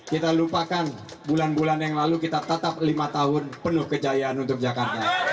kita lupakan bulan bulan yang lalu kita tetap lima tahun penuh kejayaan untuk jakarta